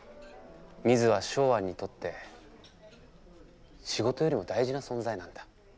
ミズはショウアンにとって仕事よりも大事な存在なんだ。